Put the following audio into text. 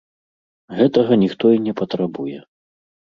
Гэтага ніхто і не патрабуе.